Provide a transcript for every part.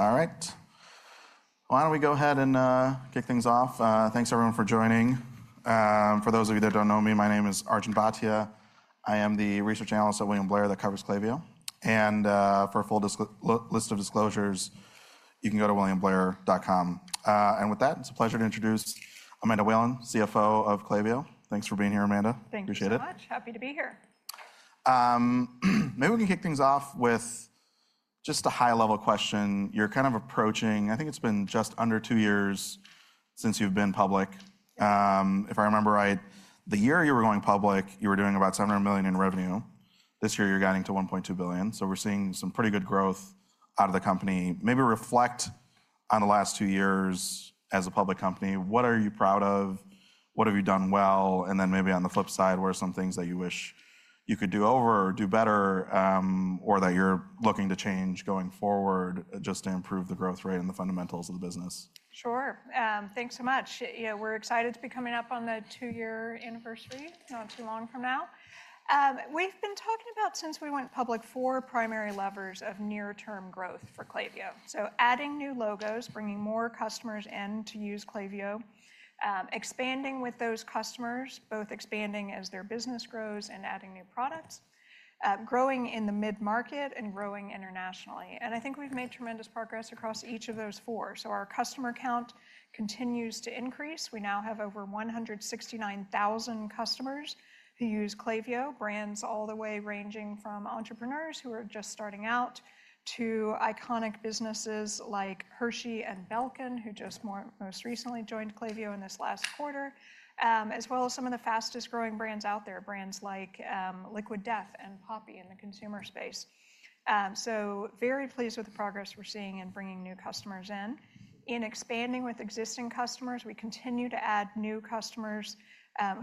Good? Good. All right. Why don't we go ahead and kick things off? Thanks, everyone, for joining. For those of you that don't know me, my name is Arjun Bhatia. I am the research analyst at William Blair that covers Klaviyo. For a full list of disclosures, you can go to williamblair.com. With that, it's a pleasure to introduce Amanda Whalen, CFO of Klaviyo. Thanks for being here, Amanda. Thank you so much. Appreciate it. Happy to be here. Maybe we can kick things off with just a high-level question. You're kind of approaching—I think it's been just under two years since you've been public. If I remember right, the year you were going public, you were doing about $700 million in revenue. This year, you're guiding to $1.2 billion. We're seeing some pretty good growth out of the company. Maybe reflect on the last two years as a public company. What are you proud of? What have you done well? What are some things that you wish you could do over or do better or that you're looking to change going forward just to improve the growth rate and the fundamentals of the business? Sure. Thanks so much. We're excited to be coming up on the two-year anniversary not too long from now. We've been talking about, since we went public, four primary levers of near-term growth for Klaviyo. Adding new logos, bringing more customers in to use Klaviyo, expanding with those customers, both expanding as their business grows and adding new products, growing in the mid-market, and growing internationally. I think we've made tremendous progress across each of those four. Our customer count continues to increase. We now have over 169,000 customers who use Klaviyo, brands all the way ranging from entrepreneurs who are just starting out to iconic businesses like Hershey and Belkin, who just most recently joined Klaviyo in this last quarter, as well as some of the fastest-growing brands out there, brands like Liquid Death and Poppi in the consumer space. Very pleased with the progress we're seeing in bringing new customers in. In expanding with existing customers, we continue to add new customers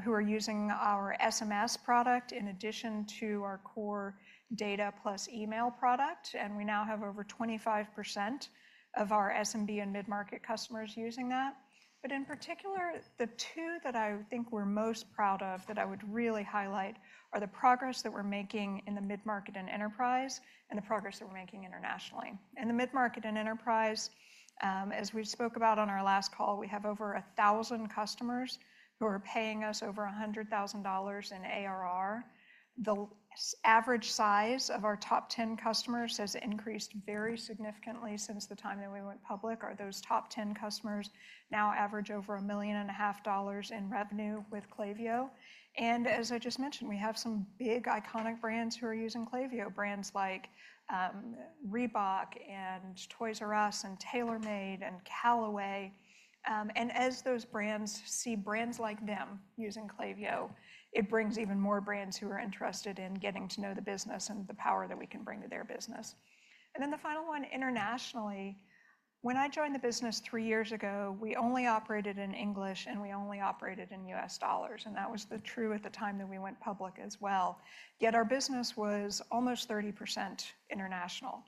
who are using our SMS product in addition to our core data plus email product. We now have over 25% of our SMB and mid-market customers using that. In particular, the two that I think we're most proud of that I would really highlight are the progress that we're making in the mid-market and enterprise and the progress that we're making internationally. In the mid-market and enterprise, as we spoke about on our last call, we have over 1,000 customers who are paying us over $100,000 in ARR. The average size of our top 10 customers has increased very significantly since the time that we went public, or those top 10 customers now average over $1.5 million in revenue with Klaviyo. As I just mentioned, we have some big iconic brands who are using Klaviyo, brands like Reebok and Toys"R"Us, and TaylorMade and Callaway. As those brands see brands like them using Klaviyo, it brings even more brands who are interested in getting to know the business and the power that we can bring to their business. The final one internationally, when I joined the business three years ago, we only operated in English and we only operated in U.S. dollars. That was true at the time that we went public as well. Yet our business was almost 30% international.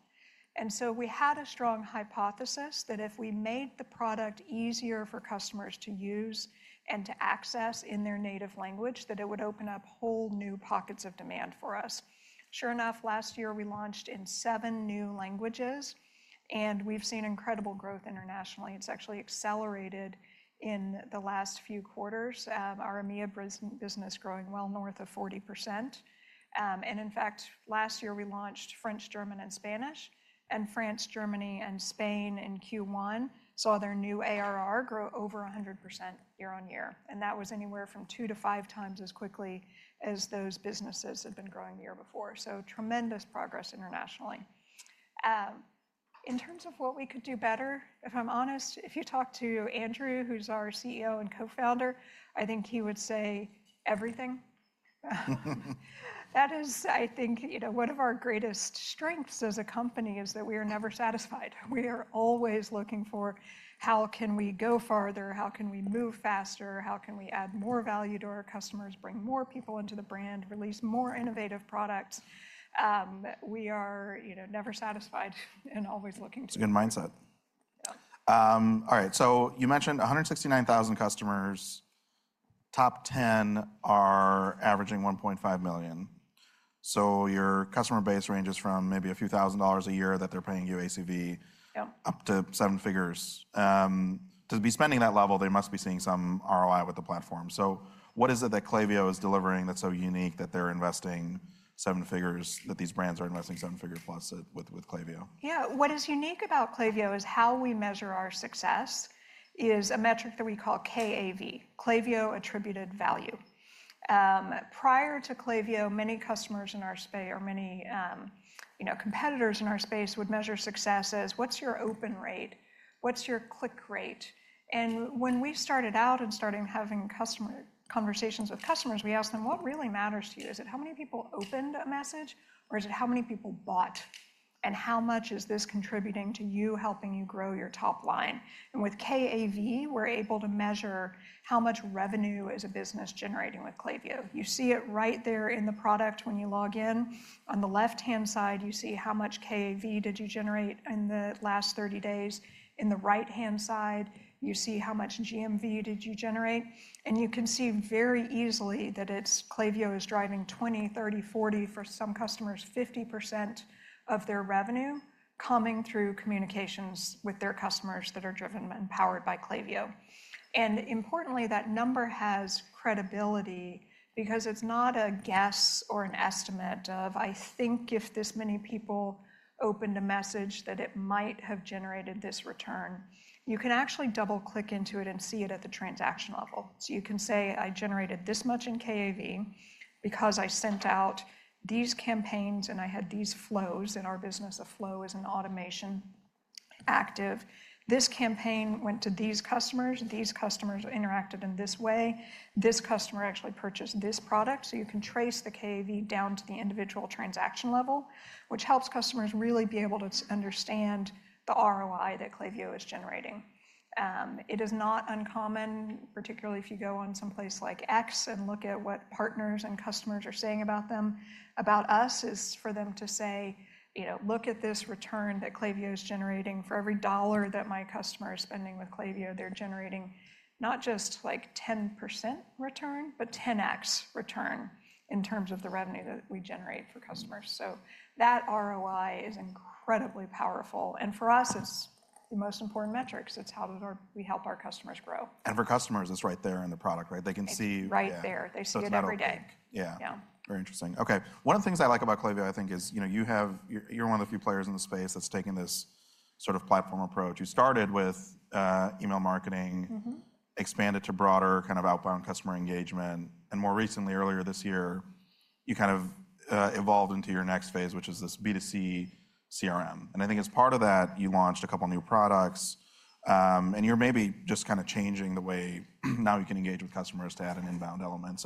We had a strong hypothesis that if we made the product easier for customers to use and to access in their native language, it would open up whole new pockets of demand for us. Sure enough, last year we launched in seven new languages. We have seen incredible growth internationally. It has actually accelerated in the last few quarters. Our EMEA business is growing well north of 40%. In fact, last year we launched French, German, and Spanish. France, Germany, and Spain in Q1 saw their new ARR grow over 100% year on year. That was anywhere from two to five times as quickly as those businesses had been growing the year before. Tremendous progress internationally. In terms of what we could do better, if I'm honest, if you talk to Andrew, who's our CEO and co-founder, I think he would say everything. That is, I think, one of our greatest strengths as a company is that we are never satisfied. We are always looking for how can we go farther, how can we move faster, how can we add more value to our customers, bring more people into the brand, release more innovative products. We are never satisfied and always looking to. It's a good mindset. All right. You mentioned 169,000 customers. Top 10 are averaging $1.5 million. Your customer base ranges from maybe a few thousand dollars a year that they're paying you ACV up to seven figures. To be spending that level, they must be seeing some ROI with the platform. What is it that Klaviyo is delivering that's so unique that they're investing seven figures, that these brands are investing seven figure plus with Klaviyo? Yeah. What is unique about Klaviyo is how we measure our success is a metric that we call KAV, Klaviyo Attributed Value. Prior to Klaviyo, many customers in our space, or many competitors in our space, would measure success as what's your open rate? What's your click rate? When we started out and started having conversations with customers, we asked them, what really matters to you? Is it how many people opened a message, or is it how many people bought? How much is this contributing to you, helping you grow your top line? With KAV, we're able to measure how much revenue is a business generating with Klaviyo. You see it right there in the product when you log in. On the left-hand side, you see how much KAV did you generate in the last 30 days. In the right-hand side, you see how much GMV did you generate. You can see very easily that Klaviyo is driving 20%, 30%, 40%, for some customers, 50% of their revenue coming through communications with their customers that are driven and powered by Klaviyo. Importantly, that number has credibility because it's not a guess or an estimate of, I think, if this many people opened a message that it might have generated this return. You can actually double-click into it and see it at the transaction level. You can say, I generated this much in KAV because I sent out these campaigns and I had these flows in our business. A flow is an automation active. This campaign went to these customers. These customers interacted in this way. This customer actually purchased this product. You can trace the KAV down to the individual transaction level, which helps customers really be able to understand the ROI that Klaviyo is generating. It is not uncommon, particularly if you go on someplace like X and look at what partners and customers are saying about them. About us is for them to say, look at this return that Klaviyo is generating. For every dollar that my customer is spending with Klaviyo, they're generating not just like 10% return, but 10X return in terms of the revenue that we generate for customers. That ROI is incredibly powerful. For us, it's the most important metrics. It's how do we help our customers grow. For customers, it's right there in the product, right? They can see. Right there. They see it every day. Yeah. Very interesting. OK. One of the things I like about Klaviyo, I think, is you're one of the few players in the space that's taken this sort of platform approach. You started with email marketing, expanded to broader kind of outbound customer engagement. More recently, earlier this year, you kind of evolved into your next phase, which is this B2C CRM. I think as part of that, you launched a couple of new products. You're maybe just kind of changing the way now you can engage with customers to add an inbound element.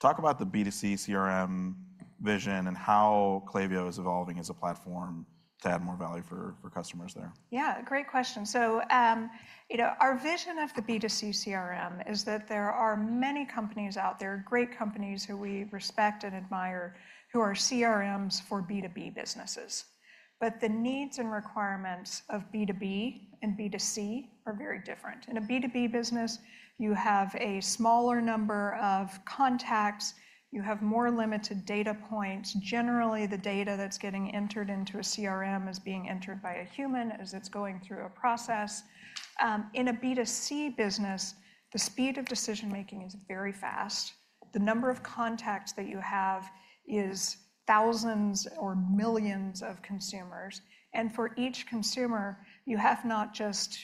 Talk about the B2C CRM vision and how Klaviyo is evolving as a platform to add more value for customers there. Yeah. Great question. Our vision of the B2C CRM is that there are many companies out there, great companies who we respect and admire, who are CRMs for B2B businesses. The needs and requirements of B2B and B2C are very different. In a B2B business, you have a smaller number of contacts. You have more limited data points. Generally, the data that is getting entered into a CRM is being entered by a human as it is going through a process. In a B2C business, the speed of decision-making is very fast. The number of contacts that you have is thousands or millions of consumers. For each consumer, you have not just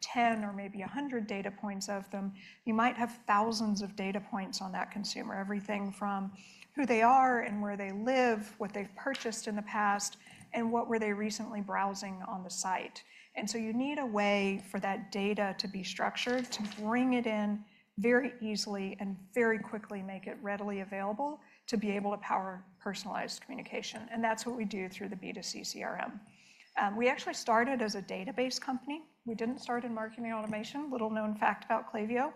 10 or maybe 100 data points of them. You might have thousands of data points on that consumer, everything from who they are and where they live, what they've purchased in the past, and what were they recently browsing on the site. You need a way for that data to be structured, to bring it in very easily and very quickly, make it readily available to be able to power personalized communication. That's what we do through the B2C CRM. We actually started as a database company. We didn't start in marketing automation. Little-known fact about Klaviyo.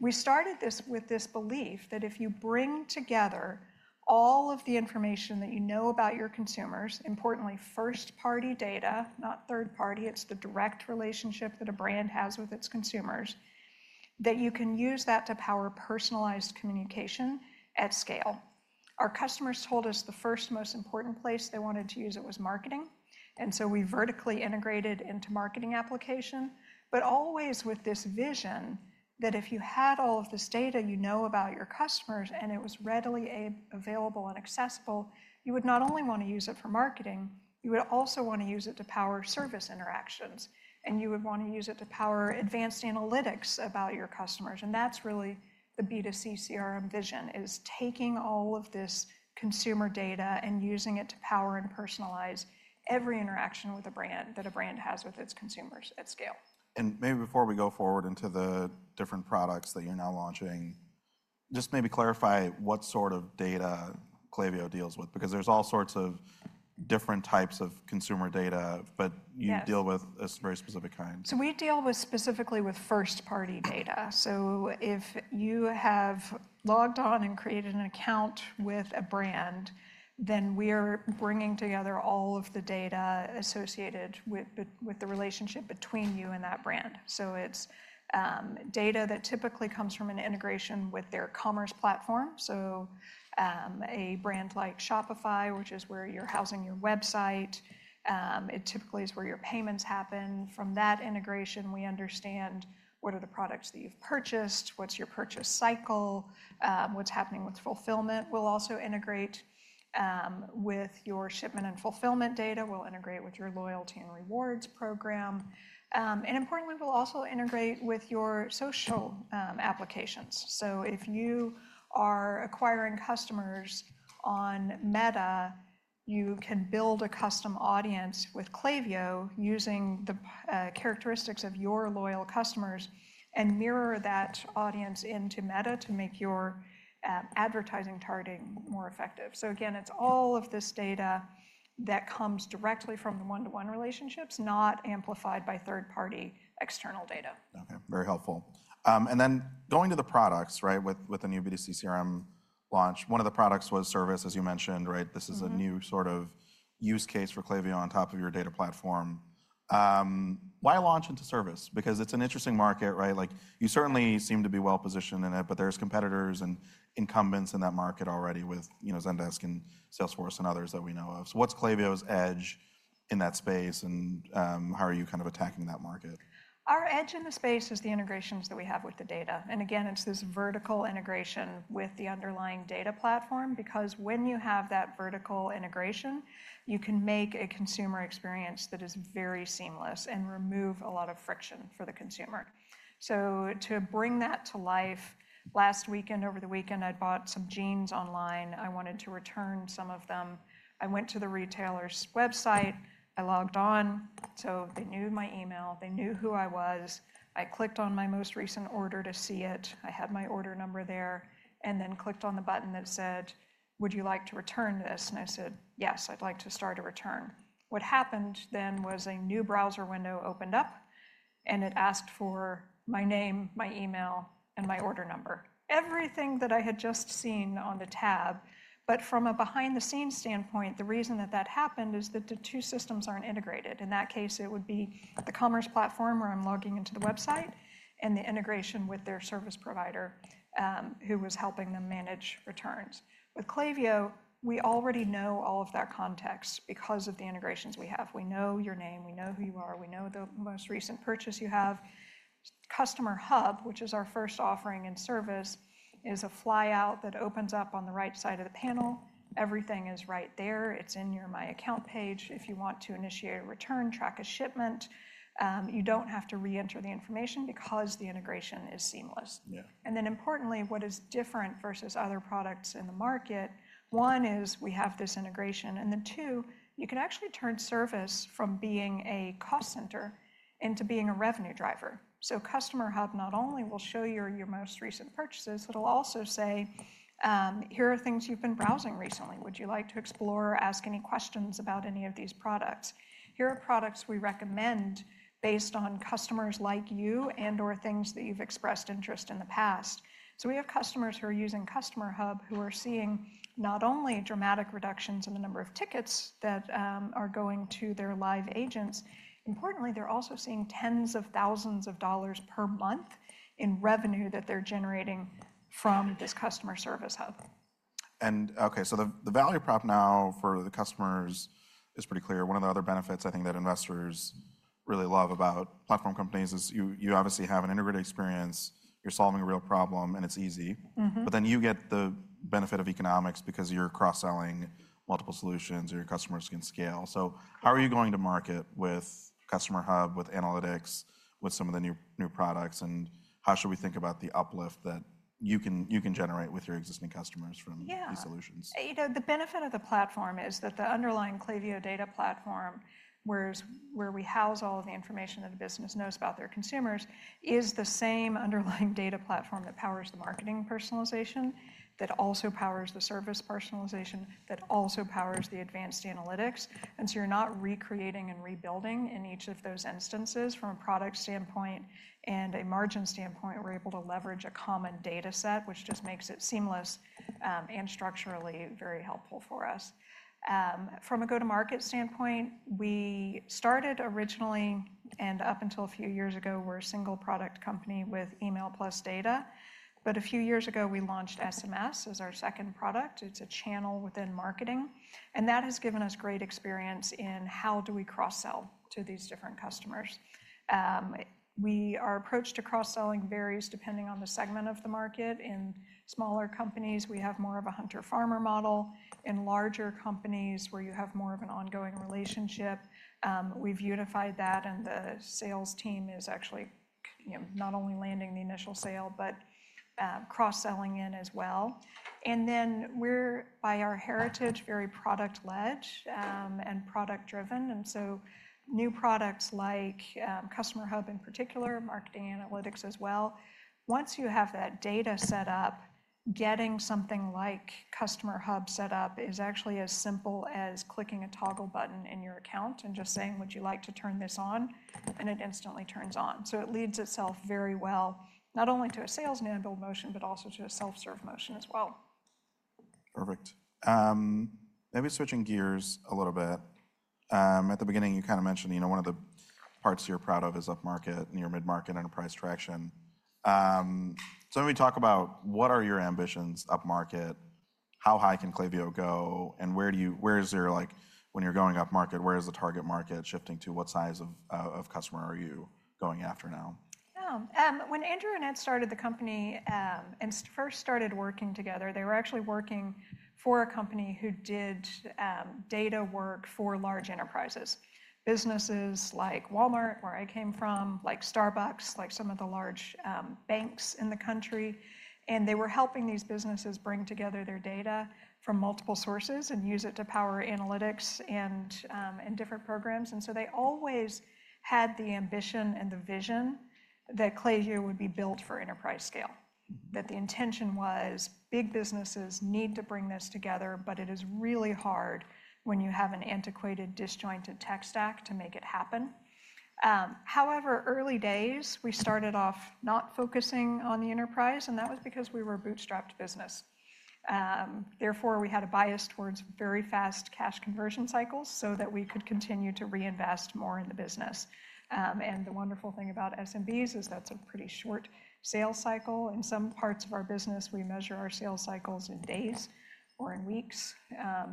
We started this with this belief that if you bring together all of the information that you know about your consumers, importantly, first-party data, not third-party. It's the direct relationship that a brand has with its consumers, that you can use that to power personalized communication at scale. Our customers told us the first most important place they wanted to use it was marketing. We vertically integrated into marketing application, but always with this vision that if you had all of this data you know about your customers and it was readily available and accessible, you would not only want to use it for marketing, you would also want to use it to power service interactions. You would want to use it to power advanced analytics about your customers. That is really the B2C CRM vision, taking all of this consumer data and using it to power and personalize every interaction with a brand that a brand has with its consumers at scale. Maybe before we go forward into the different products that you're now launching, just maybe clarify what sort of data Klaviyo deals with, because there's all sorts of different types of consumer data, but you deal with a very specific kind. We deal specifically with first-party data. If you have logged on and created an account with a brand, then we are bringing together all of the data associated with the relationship between you and that brand. It is data that typically comes from an integration with their commerce platform. A brand like Shopify, which is where you are housing your website, typically is where your payments happen. From that integration, we understand what are the products that you have purchased, what is your purchase cycle, what is happening with fulfillment. We will also integrate with your shipment and fulfillment data. We will integrate with your loyalty and rewards program. Importantly, we will also integrate with your social applications. If you are acquiring customers on Meta, you can build a custom audience with Klaviyo using the characteristics of your loyal customers and mirror that audience into Meta to make your advertising targeting more effective. Again, it is all of this data that comes directly from the one-to-one relationships, not amplified by third-party external data. OK. Very helpful. Then going to the products, right, with the new B2C CRM launch, one of the products was service, as you mentioned, right? This is a new sort of use case for Klaviyo on top of your data platform. Why launch into service? Because it's an interesting market, right? You certainly seem to be well positioned in it, but there are competitors and incumbents in that market already with Zendesk and Salesforce and others that we know of. What's Klaviyo's edge in that space, and how are you kind of attacking that market? Our edge in the space is the integrations that we have with the data. Again, it's this vertical integration with the underlying data platform, because when you have that vertical integration, you can make a consumer experience that is very seamless and remove a lot of friction for the consumer. To bring that to life, last weekend, over the weekend, I'd bought some jeans online. I wanted to return some of them. I went to the retailer's website. I logged on. They knew my email. They knew who I was. I clicked on my most recent order to see it. I had my order number there, and then clicked on the button that said, would you like to return this? I said, yes, I'd like to start a return. What happened then was a new browser window opened up, and it asked for my name, my email, and my order number, everything that I had just seen on the tab. From a behind-the-scenes standpoint, the reason that that happened is that the two systems are not integrated. In that case, it would be the commerce platform where I am logging into the website and the integration with their service provider who was helping them manage returns. With Klaviyo, we already know all of that context because of the integrations we have. We know your name. We know who you are. We know the most recent purchase you have. Customer Hub, which is our first offering in service, is a flyout that opens up on the right side of the panel. Everything is right there. It is in your My Account page. If you want to initiate a return, track a shipment, you do not have to re-enter the information because the integration is seamless. Importantly, what is different versus other products in the market, one is we have this integration. Two, you can actually turn service from being a cost center into being a revenue driver. Customer Hub not only will show you your most recent purchases, it will also say, here are things you have been browsing recently. Would you like to explore or ask any questions about any of these products? Here are products we recommend based on customers like you and/or things that you have expressed interest in in the past. We have customers who are using Customer Hub who are seeing not only dramatic reductions in the number of tickets that are going to their live agents, importantly, they're also seeing tens of thousands of dollars per month in revenue that they're generating from this Customer Hub. OK, so the value prop now for the customers is pretty clear. One of the other benefits I think that investors really love about platform companies is you obviously have an integrated experience. You're solving a real problem, and it's easy. You get the benefit of economics because you're cross-selling multiple solutions, and your customers can scale. How are you going to market with Customer Hub, with analytics, with some of the new products? How should we think about the uplift that you can generate with your existing customers from these solutions? The benefit of the platform is that the underlying Klaviyo data platform, where we house all of the information that a business knows about their consumers, is the same underlying data platform that powers the marketing personalization, that also powers the service personalization, that also powers the advanced analytics. You are not recreating and rebuilding in each of those instances from a product standpoint and a margin standpoint. We are able to leverage a common data set, which just makes it seamless and structurally very helpful for us. From a go-to-market standpoint, we started originally and up until a few years ago, we were a single product company with email plus data. A few years ago, we launched SMS as our second product. It is a channel within marketing. That has given us great experience in how do we cross-sell to these different customers. Our approach to cross-selling varies depending on the segment of the market. In smaller companies, we have more of a hunter-farmer model. In larger companies, where you have more of an ongoing relationship, we've unified that. The sales team is actually not only landing the initial sale, but cross-selling in as well. By our heritage, we are very product-led and product-driven. New products like Customer Hub in particular, Marketing Analytics as well, once you have that data set up, getting something like Customer Hub set up is actually as simple as clicking a toggle button in your account and just saying, would you like to turn this on? It instantly turns on. It leads itself very well, not only to a sales manual motion, but also to a self-serve motion as well. Perfect. Maybe switching gears a little bit. At the beginning, you kind of mentioned one of the parts you're proud of is up market, near mid-market enterprise traction. Maybe talk about what are your ambitions up market? How high can Klaviyo go? Where is your, when you're going up market, where is the target market shifting to? What size of customer are you going after now? When Andrew and Ed started the company and first started working together, they were actually working for a company who did data work for large enterprises, businesses like Walmart, where I came from, like Starbucks, like some of the large banks in the country. They were helping these businesses bring together their data from multiple sources and use it to power analytics and different programs. They always had the ambition and the vision that Klaviyo would be built for enterprise scale, that the intention was big businesses need to bring this together, but it is really hard when you have an antiquated disjointed tech stack to make it happen. However, early days, we started off not focusing on the enterprise, and that was because we were a bootstrapped business. Therefore, we had a bias towards very fast cash conversion cycles so that we could continue to reinvest more in the business. The wonderful thing about SMBs is that's a pretty short sales cycle. In some parts of our business, we measure our sales cycles in days or in weeks.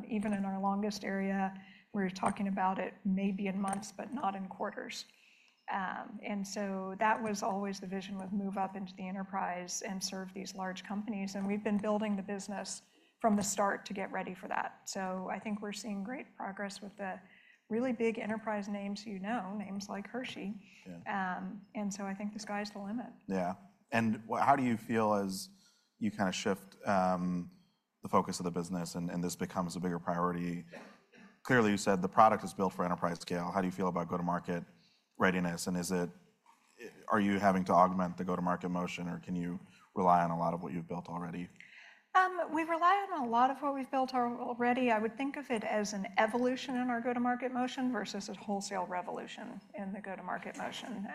Even in our longest area, we're talking about it maybe in months, but not in quarters. That was always the vision with move up into the enterprise and serve these large companies. We have been building the business from the start to get ready for that. I think we're seeing great progress with the really big enterprise names, you know, names like Hershey. I think the sky's the limit. Yeah. How do you feel as you kind of shift the focus of the business and this becomes a bigger priority? Clearly, you said the product is built for enterprise scale. How do you feel about go-to-market readiness? Are you having to augment the go-to-market motion, or can you rely on a lot of what you've built already? We rely on a lot of what we've built already. I would think of it as an evolution in our go-to-market motion versus a wholesale revolution in the go-to-market motion.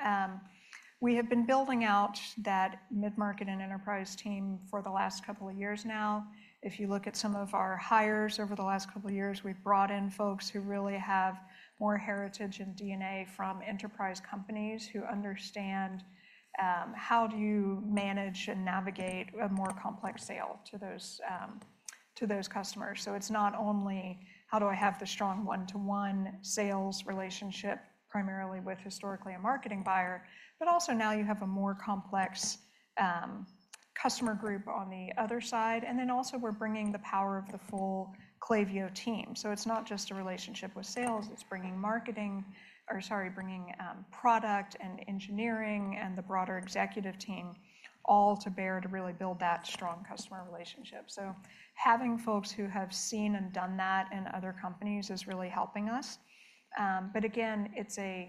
We have been building out that mid-market and enterprise team for the last couple of years now. If you look at some of our hires over the last couple of years, we've brought in folks who really have more heritage and DNA from enterprise companies who understand how do you manage and navigate a more complex sale to those customers. It is not only how do I have the strong one-to-one sales relationship primarily with historically a marketing buyer, but also now you have a more complex customer group on the other side. Also, we are bringing the power of the full Klaviyo team. It is not just a relationship with sales. It's bringing marketing, or sorry, bringing product and engineering and the broader executive team all to bear to really build that strong customer relationship. So having folks who have seen and done that in other companies is really helping us. But again, it's a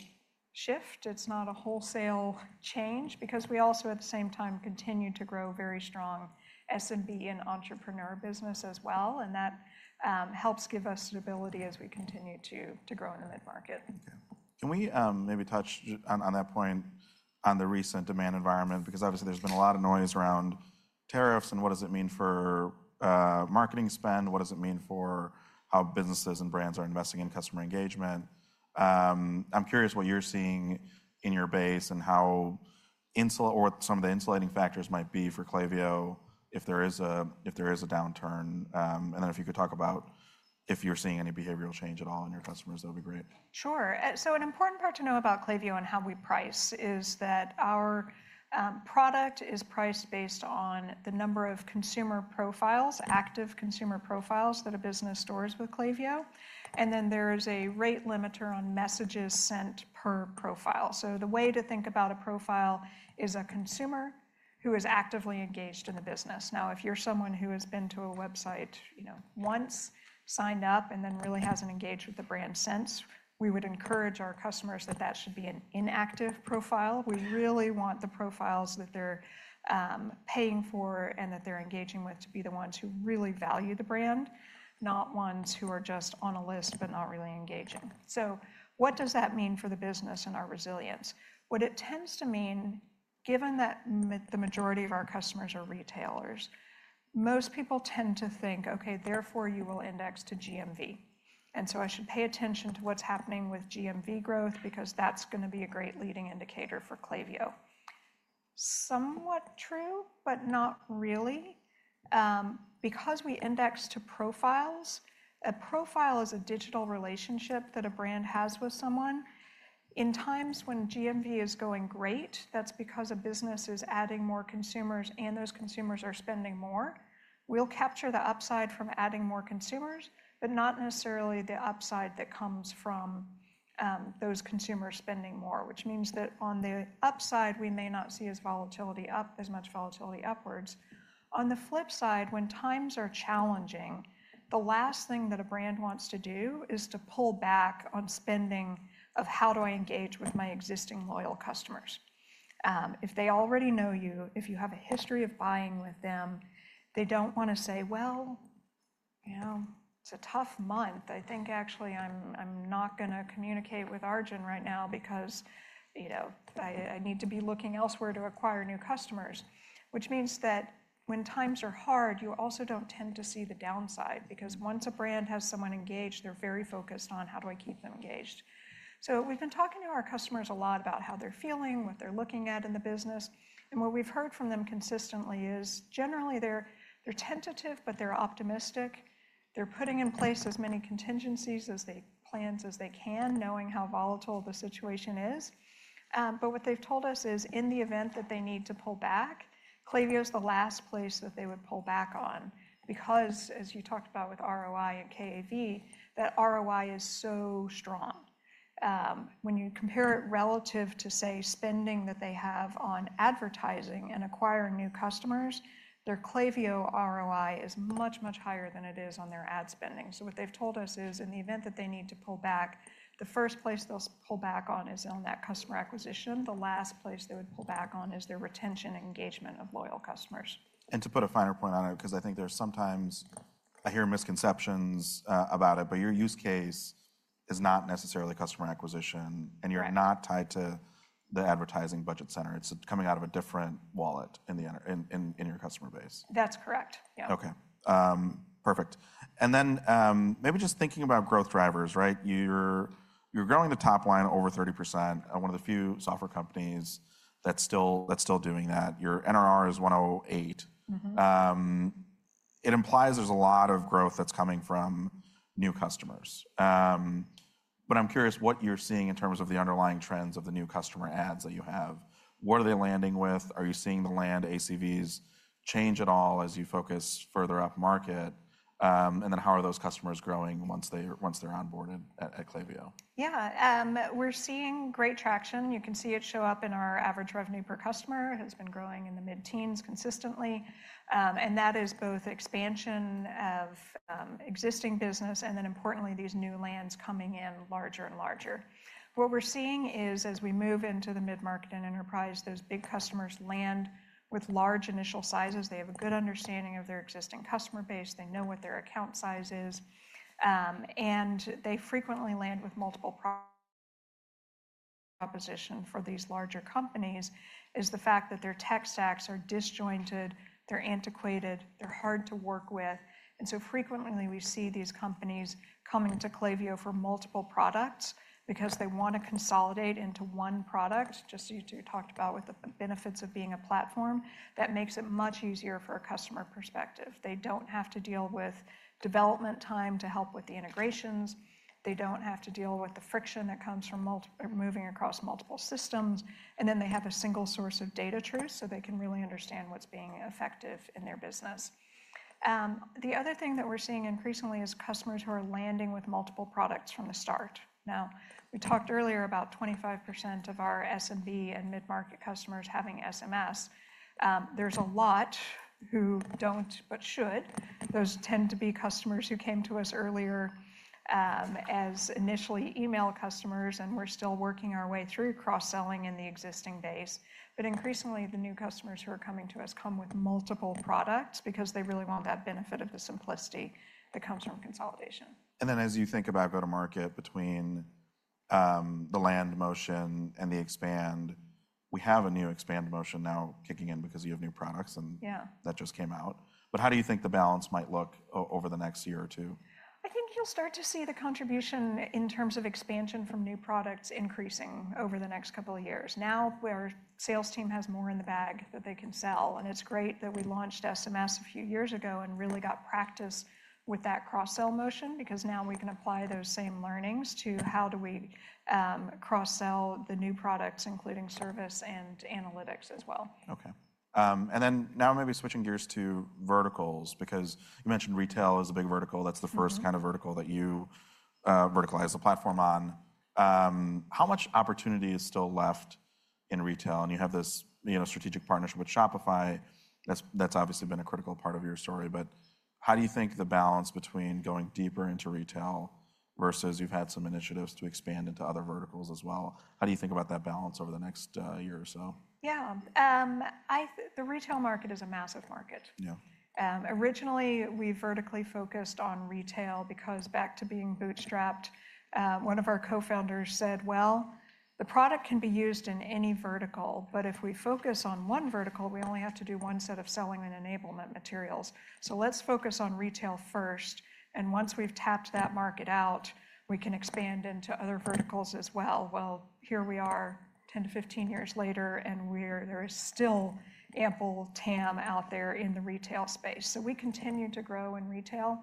shift. It's not a wholesale change because we also, at the same time, continue to grow very strong SMB and entrepreneur business as well. And that helps give us stability as we continue to grow in the mid-market. Can we maybe touch on that point on the recent demand environment? Because obviously, there's been a lot of noise around tariffs and what does it mean for marketing spend? What does it mean for how businesses and brands are investing in customer engagement? I'm curious what you're seeing in your base and how some of the insulating factors might be for Klaviyo if there is a downturn. If you could talk about if you're seeing any behavioral change at all in your customers, that would be great. Sure. An important part to know about Klaviyo and how we price is that our product is priced based on the number of consumer profiles, active consumer profiles that a business stores with Klaviyo. There is a rate limiter on messages sent per profile. The way to think about a profile is a consumer who is actively engaged in the business. Now, if you're someone who has been to a website once, signed up, and then really hasn't engaged with the brand since, we would encourage our customers that that should be an inactive profile. We really want the profiles that they're paying for and that they're engaging with to be the ones who really value the brand, not ones who are just on a list but not really engaging. What does that mean for the business and our resilience? What it tends to mean, given that the majority of our customers are retailers, most people tend to think, OK, therefore you will index to GMV. And so I should pay attention to what's happening with GMV growth because that's going to be a great leading indicator for Klaviyo. Somewhat true, but not really. Because we index to profiles, a profile is a digital relationship that a brand has with someone. In times when GMV is going great, that's because a business is adding more consumers, and those consumers are spending more. We'll capture the upside from adding more consumers, but not necessarily the upside that comes from those consumers spending more, which means that on the upside, we may not see as much volatility upwards. On the flip side, when times are challenging, the last thing that a brand wants to do is to pull back on spending of how do I engage with my existing loyal customers. If they already know you, if you have a history of buying with them, they do not want to say, well, you know, it is a tough month. I think actually I am not going to communicate with Arjun right now because I need to be looking elsewhere to acquire new customers, which means that when times are hard, you also do not tend to see the downside. Because once a brand has someone engaged, they are very focused on how do I keep them engaged. We have been talking to our customers a lot about how they are feeling, what they are looking at in the business. What we have heard from them consistently is generally they are tentative, but they are optimistic. They're putting in place as many contingencies and plans as they can, knowing how volatile the situation is. What they've told us is in the event that they need to pull back, Klaviyo is the last place that they would pull back on. As you talked about with ROI and KAV, that ROI is so strong. When you compare it relative to, say, spending that they have on advertising and acquiring new customers, their Klaviyo ROI is much, much higher than it is on their ad spending. What they've told us is in the event that they need to pull back, the first place they'll pull back on is on that customer acquisition. The last place they would pull back on is their retention engagement of loyal customers. To put a finer point on it, because I think there's sometimes I hear misconceptions about it, your use case is not necessarily customer acquisition, and you're not tied to the advertising budget center. It's coming out of a different wallet in your customer base. That's correct. Yeah. OK. Perfect. Maybe just thinking about growth drivers, right? You're growing the top line over 30%. One of the few software companies that's still doing that. Your NRR is 108%. It implies there's a lot of growth that's coming from new customers. I'm curious what you're seeing in terms of the underlying trends of the new customer ads that you have. What are they landing with? Are you seeing the land ACVs change at all as you focus further up market? How are those customers growing once they're onboarded at Klaviyo? Yeah. We're seeing great traction. You can see it show up in our average revenue per customer has been growing in the mid-teens consistently. That is both expansion of existing business and then, importantly, these new lands coming in larger and larger. What we're seeing is as we move into the mid-market and enterprise, those big customers land with large initial sizes. They have a good understanding of their existing customer base. They know what their account size is. They frequently land with multiple propositions for these larger companies. The fact that their tech stacks are disjointed, they're antiquated, they're hard to work with. Frequently we see these companies coming to Klaviyo for multiple products because they want to consolidate into one product, just as you talked about with the benefits of being a platform. That makes it much easier from a customer perspective. They do not have to deal with development time to help with the integrations. They do not have to deal with the friction that comes from moving across multiple systems. They have a single source of data truth, so they can really understand what is being effective in their business. The other thing that we are seeing increasingly is customers who are landing with multiple products from the start. We talked earlier about 25% of our SMB and mid-market customers having SMS. There are a lot who do not, but should. Those tend to be customers who came to us earlier as initially email customers, and we are still working our way through cross-selling in the existing base. Increasingly, the new customers who are coming to us come with multiple products because they really want that benefit of the simplicity that comes from consolidation. As you think about go-to-market between the land motion and the expand, we have a new expand motion now kicking in because you have new products and that just came out. How do you think the balance might look over the next year or two? I think you'll start to see the contribution in terms of expansion from new products increasing over the next couple of years. Now, our sales team has more in the bag that they can sell. It is great that we launched SMS a few years ago and really got practice with that cross-sell motion because now we can apply those same learnings to how do we cross-sell the new products, including service and analytics as well. OK. Now maybe switching gears to verticals because you mentioned retail is a big vertical. That's the first kind of vertical that you verticalize the platform on. How much opportunity is still left in retail? You have this strategic partnership with Shopify. That's obviously been a critical part of your story. How do you think the balance between going deeper into retail versus you've had some initiatives to expand into other verticals as well? How do you think about that balance over the next year or so? Yeah. The retail market is a massive market. Yeah. Originally, we vertically focused on retail because back to being bootstrapped, one of our co-founders said, well, the product can be used in any vertical, but if we focus on one vertical, we only have to do one set of selling and enablement materials. Let's focus on retail first. Once we've tapped that market out, we can expand into other verticals as well. Here we are 10 to 15 years later, and there is still ample TAM out there in the retail space. We continue to grow in retail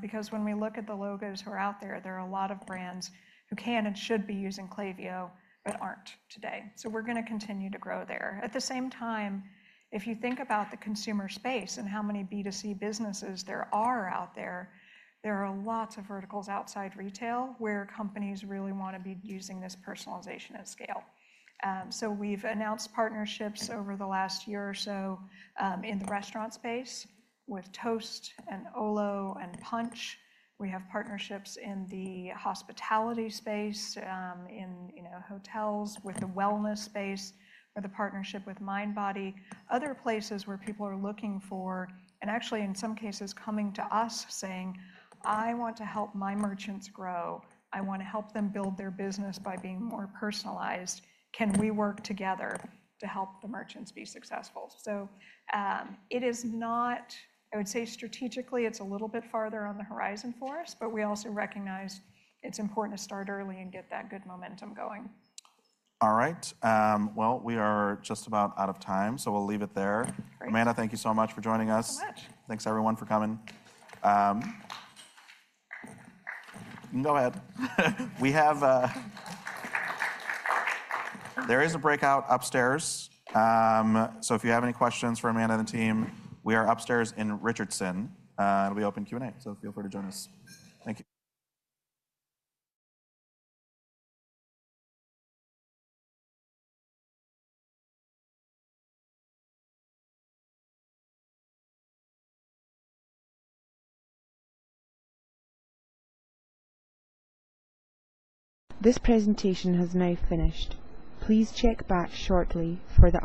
because when we look at the logos who are out there, there are a lot of brands who can and should be using Klaviyo but aren't today. We're going to continue to grow there. At the same time, if you think about the consumer space and how many B2C businesses there are out there, there are lots of verticals outside retail where companies really want to be using this personalization at scale. We have announced partnerships over the last year or so in the restaurant space with Toast and Olo and Punchh. We have partnerships in the hospitality space, in hotels, with the wellness space, with a partnership with Mindbody, other places where people are looking for, and actually in some cases coming to us saying, I want to help my merchants grow. I want to help them build their business by being more personalized. Can we work together to help the merchants be successful? It is not, I would say strategically, it's a little bit farther on the horizon for us, but we also recognize it's important to start early and get that good momentum going. All right. We are just about out of time, so we'll leave it there. Amanda, thank you so much for joining us. Thanks so much. Thanks, everyone, for coming. Go ahead. There is a breakout upstairs. If you have any questions for Amanda and the team, we are upstairs in Richardson. We open Q&A, so feel free to join us. Thank you. This presentation has now finished. Please check back shortly for the.